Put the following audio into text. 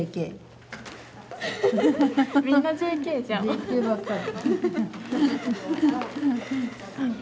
ＪＫばっかり。